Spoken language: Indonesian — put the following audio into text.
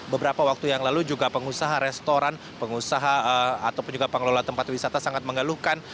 beberapa waktu yang lalu juga pengusaha restoran pengusaha ataupun juga pengelola tempat wisata sangat mengeluhkan